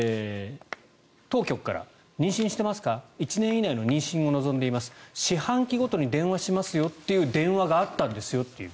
当局から妊娠していますか１年以内の妊娠を望んでいます四半期ごとに電話しますよという電話があったという。